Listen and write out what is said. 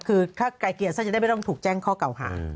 คือถ้าไกลเกียรติสามารถไม่ต้องถูกแจ้งเข้าหา